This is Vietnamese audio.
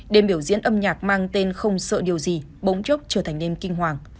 đêm biểu diễn âm nhạc mang tên không sợ điều gì bỗng chốc trở thành đêm kinh hoàng